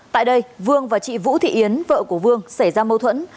tại đây vương và chị vũ thị yến vợ của vương xảy ra mâu thuẫn